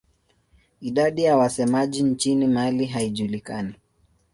Idadi ya wasemaji nchini Mali haijulikani.